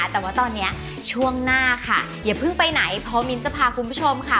แต่ว่าตอนนี้ช่วงหน้าค่ะอย่าเพิ่งไปไหนเพราะมิ้นจะพาคุณผู้ชมค่ะ